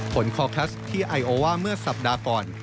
คอลแคสต์ที่ไอโอว่าเมื่อสัปดาห์ก่อน